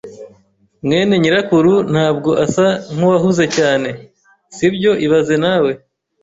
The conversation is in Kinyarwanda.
mwene nyirakuru ntabwo asa nkuwahuze cyane, sibyo ibaze nawe